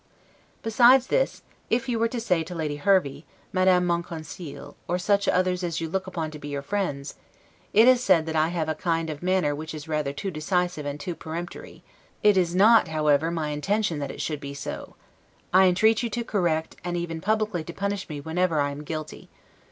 Besides this, if you were to say to Lady Hervey, Madame Monconseil, or such others as you look upon to be your friends, It is said that I have a kind of manner which is rather too decisive and too peremptory; it is not, however, my intention that it should be so; I entreat you to correct, and even publicly to punish me whenever I am guilty.